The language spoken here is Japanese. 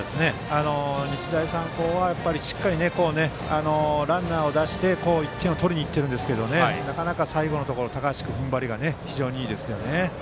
日大三高はしっかりランナーを出して１点を取りにいっているんですがなかなか最後のところ高橋君の踏ん張りが非常にいいですよね。